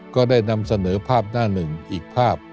ก็ได้นำเสนอภาพหน้าหนึ่งอีกภาพ